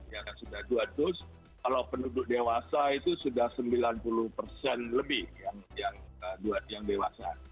yang sudah dua dus kalau penduduk dewasa itu sudah sembilan puluh persen lebih yang dewasa